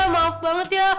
maaf banget ya